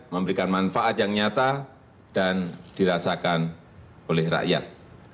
memberikan manfaat yang nyata dan dirasakan oleh rakyat